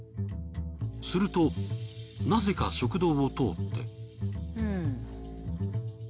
するとなぜか食堂を通って。